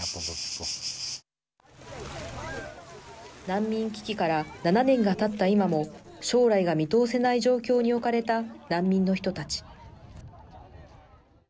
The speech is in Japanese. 難民危機から７年がたった今も将来が見通せない状況に置かれた難民の人たち。